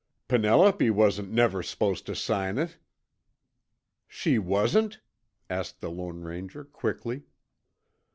Penelope wasn't never supposed tuh sign it." "She wasn't?" asked the Lone Ranger quickly.